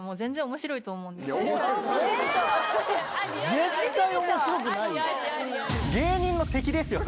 絶対面白くないよ。